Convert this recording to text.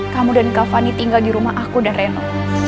kamu dan kak fani tinggal di rumah aku dan renu